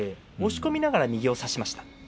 押し込みながら右を差しました。